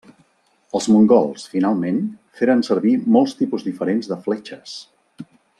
Els mongols, finalment, feren servir molts tipus diferents de fletxes.